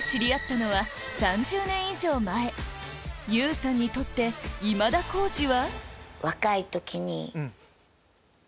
ＹＯＵさんにとって今田耕司は？